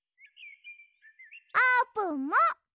あーぷんも！